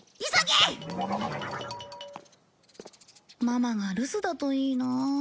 ママが留守だといいな。